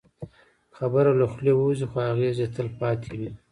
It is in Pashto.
خبره له خولې ووځي، خو اغېز یې تل پاتې وي.